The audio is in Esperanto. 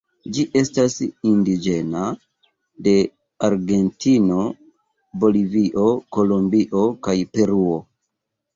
Ĝi estas indiĝena de Argentino, Bolivio, Kolombio kaj Peruo.